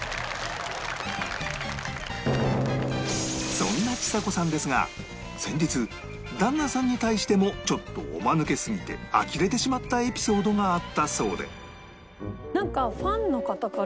そんなちさ子さんですが先日旦那さんに対してもちょっとおまぬけすぎてあきれてしまったエピソードがあったそうで